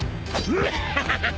グハハハハ。